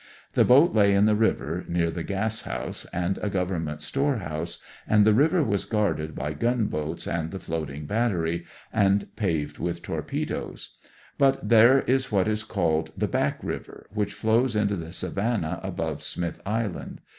The boat lay in the river, near the gas house and a government storehouse, and the river was guarded by gunboats and the floating battery, and paved with torpedoes; but there is what is called "the back river," which flows into the Savan nah above Smith Island.